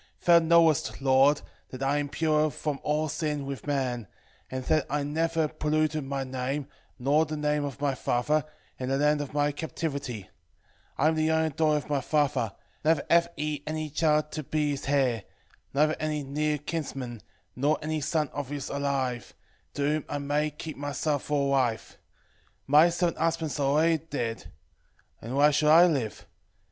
3:14 Thou knowest, Lord, that I am pure from all sin with man, 3:15 And that I never polluted my name, nor the name of my father, in the land of my captivity: I am the only daughter of my father, neither hath he any child to be his heir, neither any near kinsman, nor any son of his alive, to whom I may keep myself for a wife: my seven husbands are already dead; and why should I live?